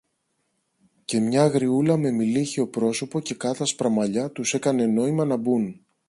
και μια γριούλα με μειλίχιο πρόσωπο και κάτασπρα μαλλιά, τους έκανε νόημα να μπουν.